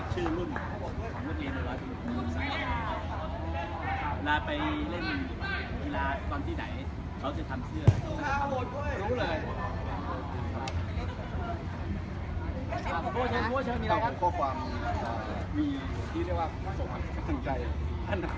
ก็ขอบความมีที่เรียกว่าโฟฟันกำลังใจท่านท่านพอทุกคน